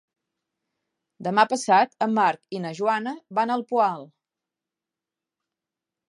Demà passat en Marc i na Joana van al Poal.